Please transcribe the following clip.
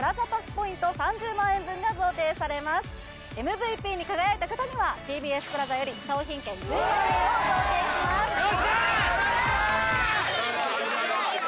ポイント３０万円分が贈呈されますＭＶＰに輝いた方にはＴＢＳＰＬＡＺＡより商品券１０万円を贈呈します・よっしゃとるぞ！